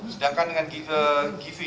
sedangkan dengan givi